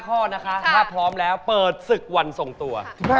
ข้อนะคะถ้าพร้อมแล้วเปิดศึกวันทรงตัว